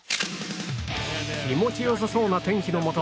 気持ちよさそうな天気のもと